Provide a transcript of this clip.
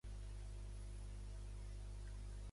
Això és el que els físics anomenen "gir".